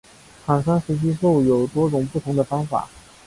产生随机数有多种不同的方法。